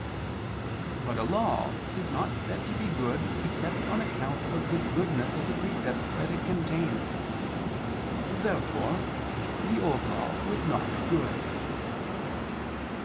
But a law is not said to be good except on account of the goodness of the precepts that it contains. Therefore the Old Law was not good.